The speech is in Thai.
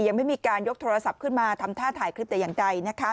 ยังไม่มีการยกโทรศัพท์ขึ้นมาทำท่าถ่ายคลิปแต่อย่างใด